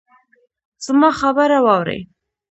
زما خبره واورئ